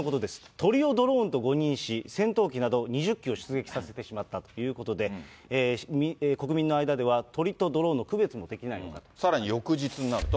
鳥をドローンと誤認し、戦闘機など、２０機を出撃させてしまったということで、国民の間では鳥とさらに翌日になると。